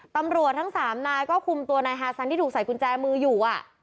ตำรวจทั้งสามนายก็คุมตัวนายฮาซันที่ถูกใส่กุญแจมืออยู่